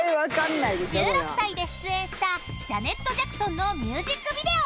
［１６歳で出演したジャネット・ジャクソンのミュージックビデオ］